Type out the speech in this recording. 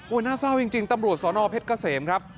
น่าเศร้าจริงตำรวจสนเพชรเกษมครับ